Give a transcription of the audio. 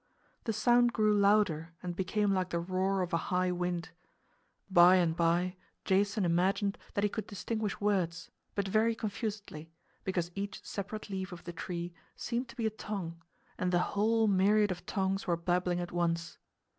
The sound grew louder and became like the roar of a high wind. By and by Jason imagined that he could distinguish words, but very confusedly, because each separate leaf of the tree seemed to be a tongue and the whole myriad of tongues were babbling at once.